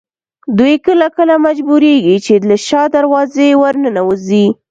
دوی کله کله مجبورېږي چې له شا دروازې ورننوځي.